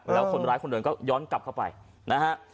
แล้วคนร้ายคนหนึ่งก็ย้อนกลับเข้าไปนะฮะ